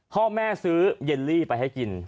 พ่อแม่ซื้อเยลลี่ไปให้กิน